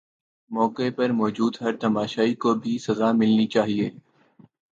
موقع پر موجود ہر تماشائی کو بھی سزا ملنی چاہیے